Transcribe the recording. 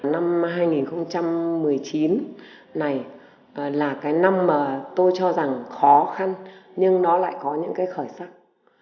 năm hai nghìn một mươi chín này là cái năm mà tôi cho rằng khó khăn nhưng nó lại có những cái khởi sắc